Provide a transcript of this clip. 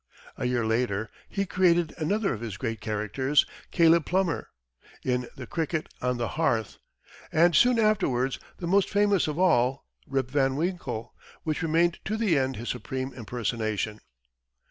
A year later, he created another of his great characters, Caleb Plummer, in "The Cricket on the Hearth," and soon afterwards, the most famous of all, Rip Van Winkle, which remained to the end his supreme impersonation.